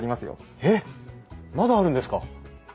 えっまだあるんですか？